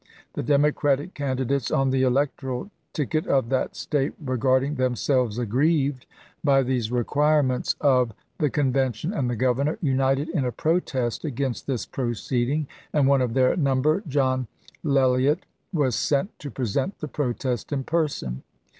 The Democratic can didates on the electoral ticket of that State, regard ing themselves aggrieved by these requirements of 358 ABKAHAM LINCOLN chap. xvi. the Convention and the Governor, united in a protest against this proceeding, and one of their number, John Lellyett, was sent to present the Oct. 15, 1864. protest in person.